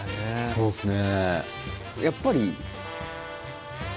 そうですね。